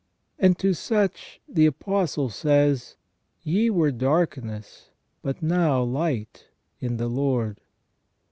And to such the Apostle says :' Ye were darkness, but now light in the Lord